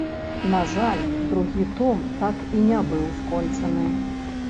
На жаль, другі том так і не быў скончаны.